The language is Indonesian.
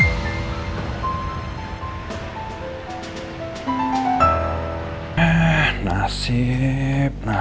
duh gagal lagi deh kesempatan aku buat fotonya jessy